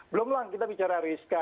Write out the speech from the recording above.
belum lah kita bicara rizka